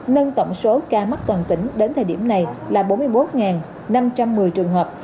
nâng tổng số ca mắc toàn tỉnh đến thời điểm này là bốn mươi một năm trăm một mươi trường hợp